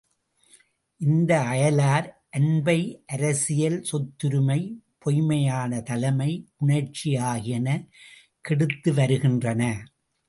இந்த அயலார் அன்பை அரசியல் சொத்துரிமை பொய்மையான தலைமை உணர்ச்சி ஆகியன கெடுத்து வருகின்றன.